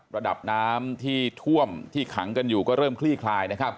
ระดับน้ำที่ท่วมที่ขังกันอยู่ก็เริ่มคลี่คลายนะครับ